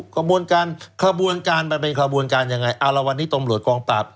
กระบวนการขบวนการมันเป็นขบวนการยังไงเอาละวันนี้ตำรวจกองปราบ